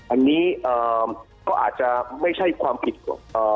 อันนี้ก็อาจจะไม่ใช่ความผิดของ